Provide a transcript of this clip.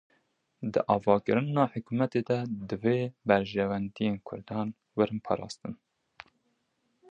Di avakirina hikûmetê de divê berjewendiyên Kurdan werin parastin.